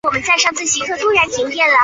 松本零士妻子是漫画家牧美也子。